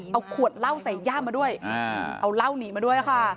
เอาขวดเหล้าใส่ย่ามาด้วยเอาเหล้าหนีมาด้วยค่ะ